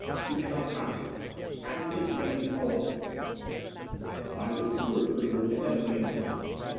You can help Coniston. Have the things ready to throw off." Five of the steward crew were at the head of the incline.